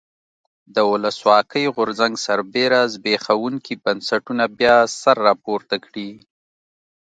د ولسواکۍ غورځنګ سربېره زبېښونکي بنسټونه بیا سر راپورته کړي.